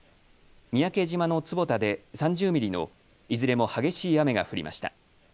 三宅島の坪田で３０ミリのいずれも激しい雨が降りました。